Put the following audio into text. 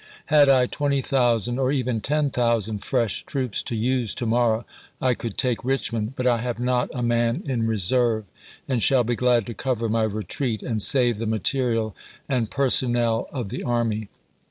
Had I 20,000 or even 10,000 fresh troops to use to morrow, I could take Richmond, but I have not a man in reserve, and shall be glad to cover my retreat, and save the material and personnel of the army.